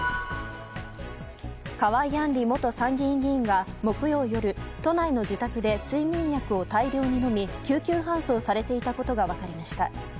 河井案里元参院議員が木曜夜都内の自宅で睡眠薬を大量に飲み救急搬送されていたことが分かりました。